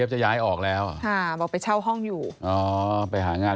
ยังไม่ได้งานแล้วเผื่อเขายังไม่ได้งาน